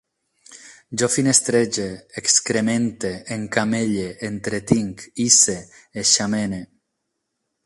Jo finestrege, excremente, encamelle, entretinc, hisse, eixamene